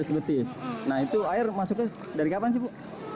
nah itu air masuknya dari kapan sih bu